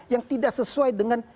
yang tidak sesuai dengan